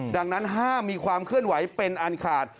ดังนั้นห้ามมีความเคลื่อนไหวเป็นอันขาด